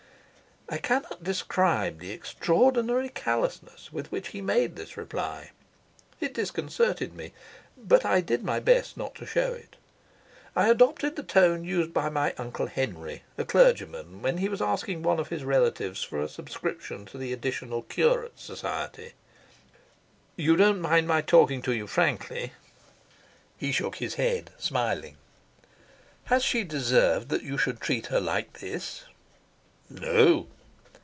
I cannot describe the extraordinary callousness with which he made this reply. It disconcerted me, but I did my best not to show it. I adopted the tone used by my Uncle Henry, a clergyman, when he was asking one of his relatives for a subscription to the Additional Curates Society. "You don't mind my talking to you frankly?" He shook his head, smiling. "Has she deserved that you should treat her like this?" "No."